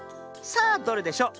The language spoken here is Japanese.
さあどれでしょう。